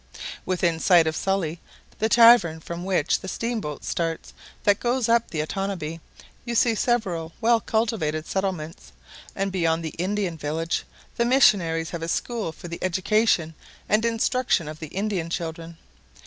Within sight of Sully, the tavern from which the steam boat starts that goes up the Otanabee, you see several well cultivated settlements; and beyond the Indian village the missionaries have a school for the education and instruction of the Indian children.